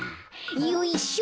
よいしょ。